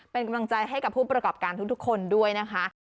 เป็นกำลังใจให้กับผู้ประกอบการทุกคนด้วยนะคะ